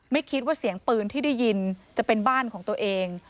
ไม่คิดว่าเสียงปืนที่ได้ยินจะเป็นบ้านของตัวเอง